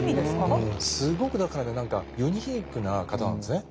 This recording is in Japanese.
すごくだからね何かユニークな方なんですね。